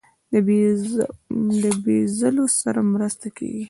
د بیوزلو سره مرسته کیږي؟